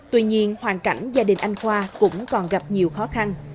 tuy nhiên hoàn cảnh gia đình anh khoa cũng còn gặp nhiều khó khăn